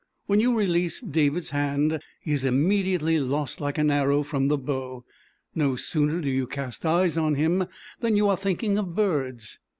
When you release David's hand he is immediately lost like an arrow from the bow. No sooner do you cast eyes on him than you are thinking of birds.